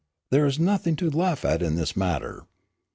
There is nothing to laugh at in this matter.